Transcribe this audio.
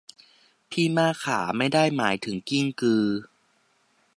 พี่มากขา ไม่ได้หมายถึงกิ้งกือ